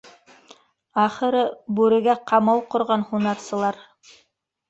Ахыры, бүрегә ҡамау ҡорған һунарсылар.